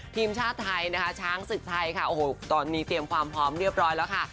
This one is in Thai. ทีมชาติไทยนะคะช้างศึกไทยค่ะโอ้โหตอนนี้เตรียมความพร้อมเรียบร้อยแล้วค่ะ